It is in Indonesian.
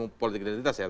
apa yang akan diikatkan